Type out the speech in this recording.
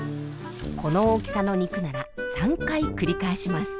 この大きさの肉なら３回繰り返します。